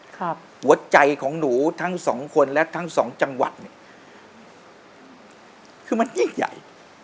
หัวใจของหนูทั้งสองคนและทั้งสองจังหวัดเนี่ยคือมันยิ่งใหญ่